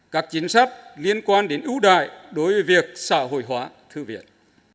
các chính sách liên quan đến ưu đại đối với việc xã hội hóa thư viện